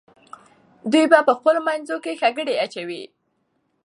دوی په خپلو منځو کې ښکرې اچوي.